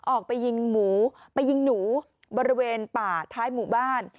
ออกไปยิงหนูบริเวณป่าท้ายหมู่บ้าน